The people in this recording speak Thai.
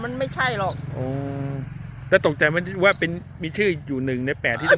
มันไม่ใช่หรอกอืมแต่ตกใจว่าเป็นมีชื่ออยู่หนึ่งในแปดที่